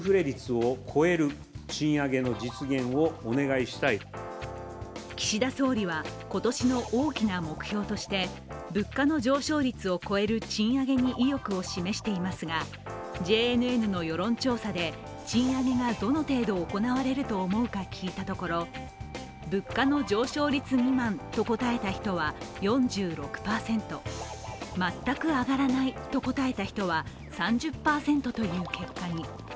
しかし岸田総理は今年の大きな目標として物価の上昇率を超える賃上げに意欲を示していますが、ＪＮＮの世論調査で賃上げがどの程度行われると思うか聞いたところ物価の上昇率未満と答えた人は４６％、全く上がらないと答えた人は３０％という結果に。